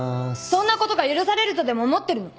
そんなことが許されるとでも思ってるの？